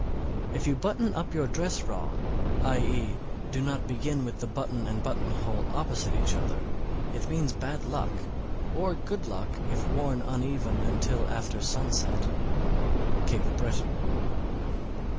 _ 627. If you button up your dress wrong, i.e., do not begin with the button and button hole opposite each other, it means bad luck, or good luck if worn uneven until after sunset. _Cape Breton.